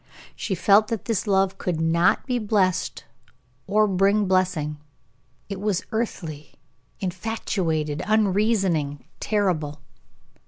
She felt that this love could not be blessed or bring blessing; it was earthly, infatuated, unreasoning, terrible.